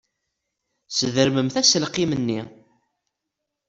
Sdermemt aselkim-nni.